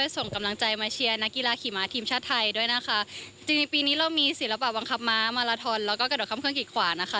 ส่งกำลังใจมาเชียร์นักกีฬาขี่ม้าทีมชาติไทยด้วยนะคะจริงในปีนี้เรามีศิลปะบังคับม้ามาลาทอนแล้วก็กระโดดข้ามเครื่องกิดขวานะคะ